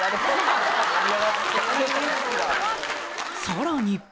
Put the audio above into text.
さらに！